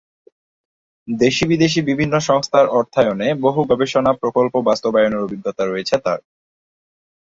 দেশী-বিদেশী বিভিন্ন সংস্থার অর্থায়নে বহু গবেষণা প্রকল্প বাস্তবায়নের অভিজ্ঞতা রয়েছে তার।